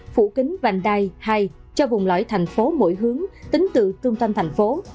phủ kính vành đai hai cho vùng lõi tp hcm mỗi hướng tính từ tương tâm tp hcm